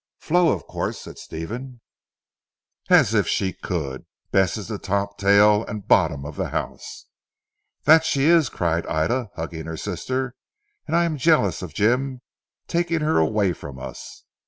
"Flo of course," said Stephen. "As if she could! Bess is the top, tail, and bottom of the house." "That she is," cried Ida hugging her sister, "and I am jealous of Jim taking her away from us!"